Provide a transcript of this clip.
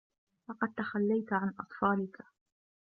لقد تخلّيت عن أطفالك.